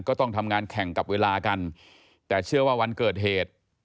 ก็ต้องทำงานแข่งกับเวลากันแต่เชื่อว่าวันเกิดเหตุ